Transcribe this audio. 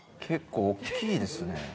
結構おっきいですね。